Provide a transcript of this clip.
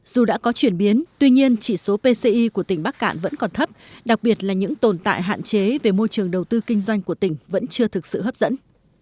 dù đã có chuyển biến tuy nhiên chỉ số pci của tỉnh bắc cạn vẫn còn thấp đặc biệt là những tồn tại hạn chế về môi trường đầu tư kinh doanh của tỉnh vẫn chưa thực sự hấp dẫn